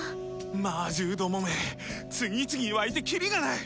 魔獣どもめ次々湧いてキリがない。